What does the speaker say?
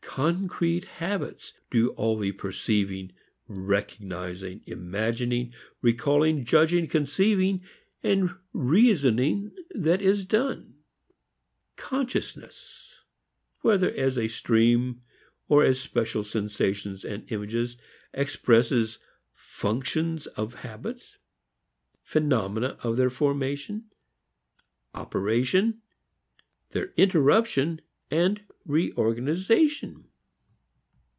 Concrete habits do all the perceiving, recognizing, imagining, recalling, judging, conceiving and reasoning that is done. "Consciousness," whether as a stream or as special sensations and images, expresses functions of habits, phenomena of their formation, operation, their interruption and reorganization.